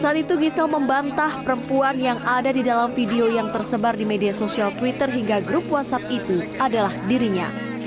saat itu gisel membantah perempuan yang ada di dalam video yang tersebar di media sosial twitter hingga grup whatsapp itu adalah dirinya